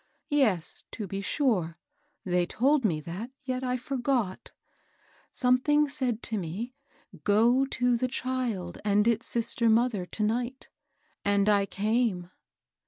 — yes, to be sure ! they told me that ; yet I forgot ! Some thing said to me, ' Go to the child and its sister mother to night,' — and I came."